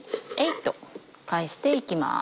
っと返していきます。